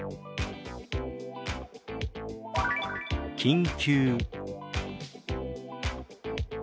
「緊急」。